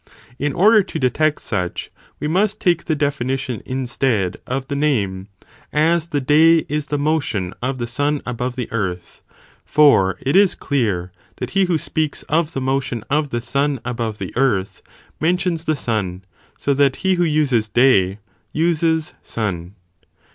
In order to de tect such, we must take the definition instead of the name, as the day is the motion of the sun above the earth ; for it is clear that he who speaks of the motion of the sun above the earth, mentions the sun, so that he who uses day, uses sun.